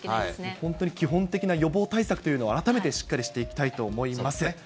本当に基本的な予防対策というのを、改めてしっかりしていきたいと思います。